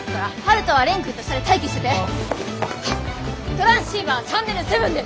トランシーバーチャンネル７で！